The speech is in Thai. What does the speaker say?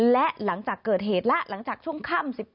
และหลังจากเกิดเหตุแล้วหลังจากช่วงค่ำ